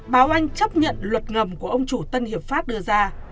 báo anh chấp nhận luật ngầm của ông chủ tân hiệp pháp đưa ra